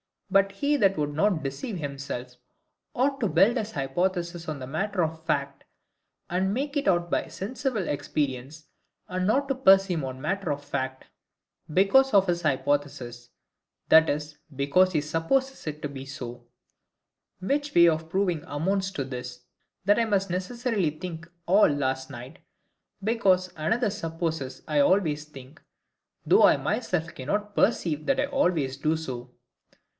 But he that would not deceive himself, ought to build his hypothesis on matter of fact, and make it out by sensible experience, and not presume on matter of fact, because of his hypothesis, that is, because he supposes it to be so; which way of proving amounts to this, that I must necessarily think all last night, because another supposes I always think, though I myself cannot perceive that I always do so.